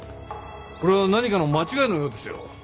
これは何かの間違いのようですよ。